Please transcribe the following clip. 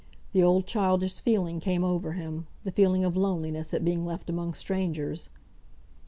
The old childish feeling came over him, the feeling of loneliness at being left among strangers.